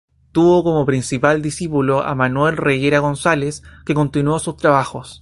Tuvo como principal discípulo a Manuel Reguera González, que continuó sus trabajos.